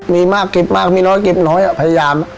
มีมากเก็บมากมีน้อยเก็บน้อยพยายาม